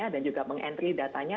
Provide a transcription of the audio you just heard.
dan juga meng entry datanya